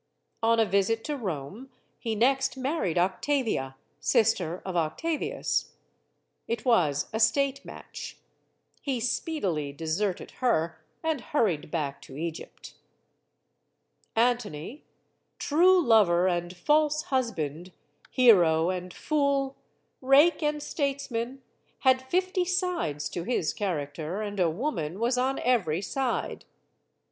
On a visit to Rome he next married Octavia, sister of Octavius. It was a state match. He speedily deserted her and hurried back to Egypt. Antony true lover and false husband, hero and fool, rake and statesman had fifty sides to his char acter and a woman was on every side.